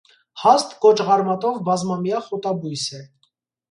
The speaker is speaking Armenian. Հաստ կոճղարմատով բազմամյա խոտաբույս է։